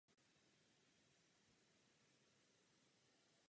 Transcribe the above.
Ve věznici byla až do konce války.